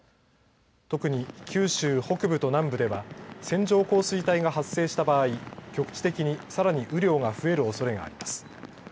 特に、九州北部と南部では線状降水帯が発生した場合局地的に、さらに雨量が増えるおそれがあります。